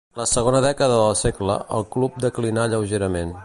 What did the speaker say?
La segona dècada del segle el club declinà lleugerament.